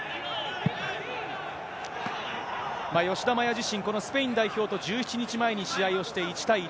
自身、このスペイン代表と１７日前に試合をして１対１。